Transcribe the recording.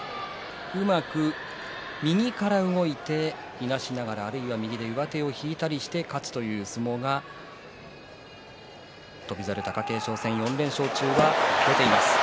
うまく右から動いていなしながらあるいは右で上手を引いたりして勝つという相撲が翔猿、貴景勝戦４連勝中はあります。